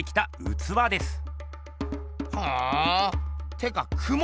てかクモ？